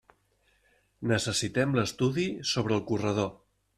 Necessitem l'estudi sobre el corredor.